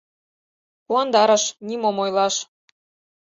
Куандарыш, нимом ойлаш!